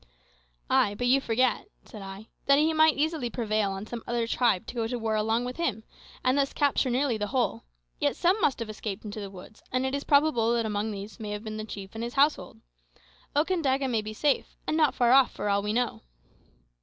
"Ay, but you forget," said I, "that he might easily prevail on some other tribe to go to war along with him, and thus capture nearly the whole. Yet some must have escaped into the woods, and it is probable that among these may have been the chief and his household. Okandaga may be safe, and not far off, for all we know."